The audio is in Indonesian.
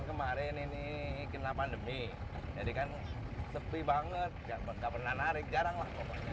kemarin ini kena pandemi jadi kan sepi banget nggak pernah narik